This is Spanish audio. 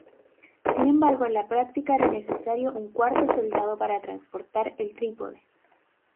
Sin embargo, en la práctica era necesario un cuarto soldado para transportar el trípode.